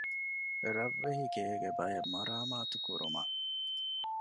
ރަށްވެހިގޭގެ ބައެއް މަރާމާތުތައް ކުރުމަށް